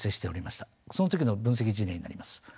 その時の分析事例になります。